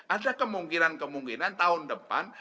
ada kemungkinan kemungkinan tahun depan